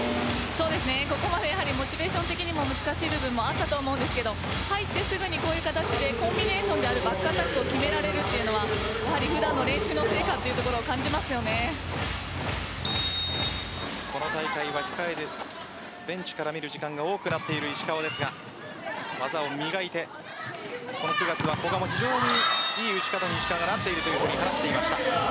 ここまでやはりモチベーション的にも難しい部分あったと思うんですが入ってすぐに、こういう形でコンビネーションでバックアタックを決められるのは普段の練習の成果というところをこの大会は控えでベンチから見る時間が多くなっている石川ですが技を磨いてこの９月は古賀も非常に良い打ち方をしていたと話していました。